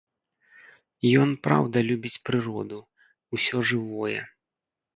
Ён праўда любіць прыроду, усё жывое.